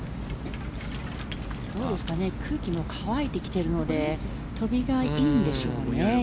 空気も乾いてきているので飛びがいいんでしょうね。